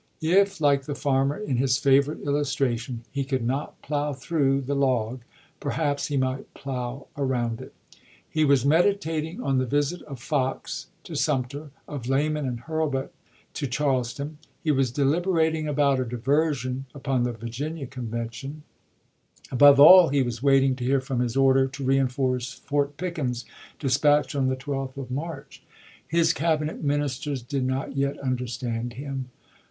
If, like the farmer in his favorite illustration, he could not plow through the log, perhaps he might plow around it. He was meditating on the visit of Fox to Sumter, of Lamon and Hurlbut to Charleston ; he was deliberating about a diversion upon the Virginia Convention ; above all, he was waiting to hear from his order to reenforce Fort Pickens, dispatched on the 12th of March. His Cabinet wei. ministers did not yet understand him.